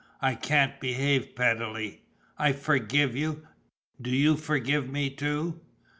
I can't behave pettily. I forgive you; do you forgive me too.